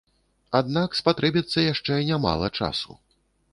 Аднак спатрэбіцца яшчэ нямала часу.